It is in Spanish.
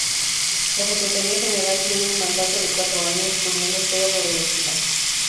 La Secretaría General tiene un mandato de cuatro años, pudiendo ser reelegida.